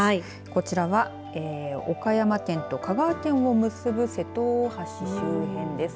こちらは岡山県と香川県を結ぶ瀬戸大橋周辺です。